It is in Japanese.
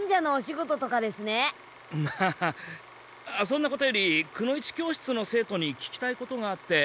そんなことよりくの一教室の生徒にききたいことがあって。